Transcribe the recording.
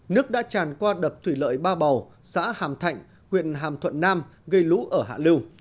nước đã tràn qua đập thủy lợi ba bầu xã hàm thạnh huyện hàm thuận nam gây lũ ở hạ lưu